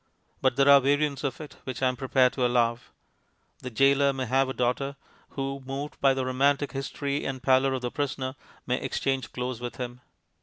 But there are variants of it which I am prepared to allow. The goaler may have a daughter, who, moved by the romantic history and pallor of the prisoner, may exchange clothes with him.